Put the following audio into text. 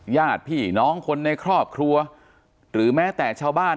ญาติพี่น้องคนในครอบครัวหรือแม้แต่ชาวบ้าน